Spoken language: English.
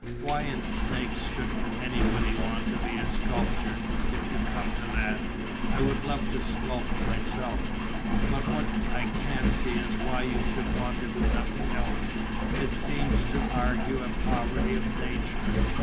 "Why in snakes should anybody want to be a sculptor, if you come to that? I would love to sculp myself. But what I can't see is why you should want to do nothing else. It seems to argue a poverty of nature."